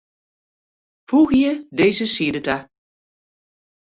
Foegje dizze side ta.